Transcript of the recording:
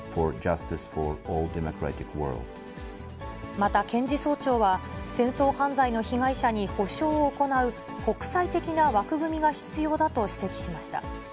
また検事総長は、戦争犯罪の被害者に補償を行う、国際的な枠組みが必要だと指摘しました。